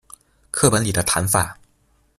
課本裡的談法